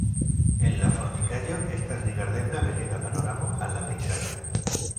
El la fortikaĵo estas rigardebla belega panoramo al la pejzaĝon.